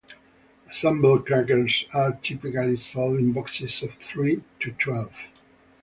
Assembled crackers are typically sold in boxes of three to twelve.